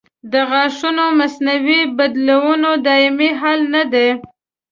د غاښونو مصنوعي بدیلونه دایمي حل نه دی.